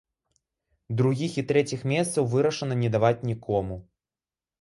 Другіх і трэціх месцаў вырашана не даваць нікому.